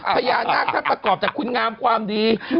พญานาคครับประกอบกระคุณงามความดี